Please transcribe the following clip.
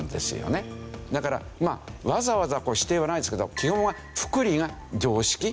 だからまあわざわざ指定はないですけど基本は複利が常識。